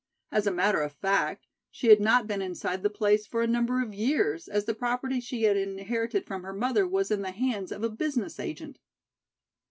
As a matter of fact, she had not been inside the place for a number of years, as the property she had inherited from her mother was in the hands of a business agent.